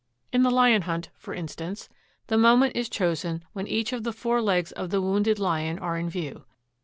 In the Lion Hunt, for instance, the moment is chosen when each of the four legs of the wounded lion are in view.